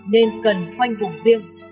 nên cần khoanh vùng riêng